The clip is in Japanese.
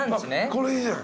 これいいじゃん。